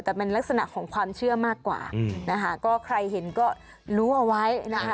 แต่เป็นลักษณะของความเชื่อมากกว่านะคะก็ใครเห็นก็รู้เอาไว้นะคะ